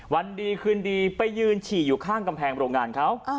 วันดีคืนดีไปยืนฉี่อยู่ข้างกำแพงโรงงานเขา